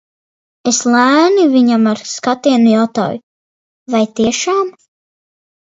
Es lēni viņam ar skatienu jautāju – vai tiešām?